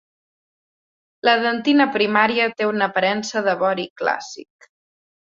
La dentina primària té una aparença de vori clàssic.